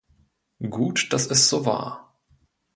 Gut, dass es so war!